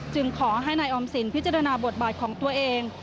ขอให้นายออมสินพิจารณาบทบาทของตัวเอง